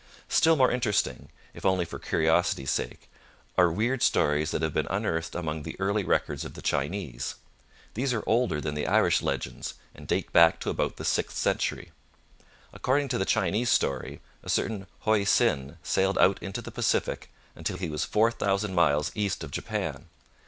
Still more interesting, if only for curiosity's sake, are weird stories that have been unearthed among the early records of the Chinese. These are older than the Irish legends, and date back to about the sixth century. According to the Chinese story, a certain Hoei Sin sailed out into the Pacific until he was four thousand miles east of Japan.